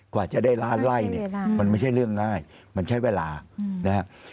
กว่าจะได้ล้านไล่เนี่ยมันไม่ใช่เรื่องง่ายมันใช้เวลานะครับ